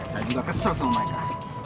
saya juga kesel sama mereka